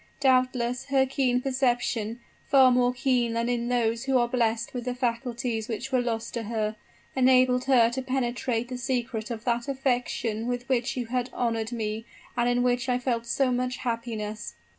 Doubtless, her keen perception far more keen than in those who are blessed with the faculties which were lost to her enabled her to penetrate the secret of that affection with which you had honored me, and in which I felt so much happiness."